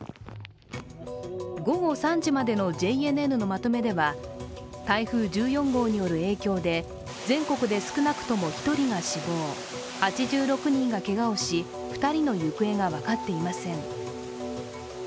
午後３時までのＪＮＮのまとめでは、台風１４号による影響で、全国で少なくとも１人が死亡８６人がけがをし、２人の行方が分かっていません。